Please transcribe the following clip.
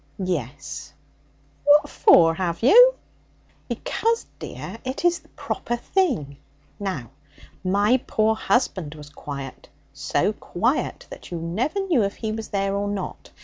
'Yes.' 'What for have you?' 'Because, dear, it is the proper thing. Now my poor husband was quiet, so quiet that you never knew if he was there or not.